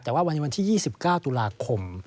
แต่ว่าวันที่๒๙ตุลาคม